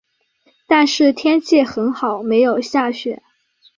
但是天气很好没有下雪